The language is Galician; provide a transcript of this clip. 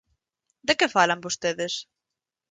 ¿De que falan vostedes?